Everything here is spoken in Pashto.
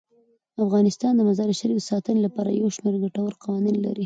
افغانستان د مزارشریف د ساتنې لپاره یو شمیر ګټور قوانین لري.